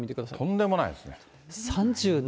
とんでもないですね。